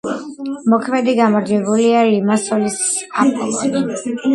მოქმედი გამარჯვებულია ლიმასოლის „აპოლონი“.